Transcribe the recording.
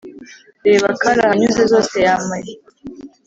Reba karahanyuze zose yamaye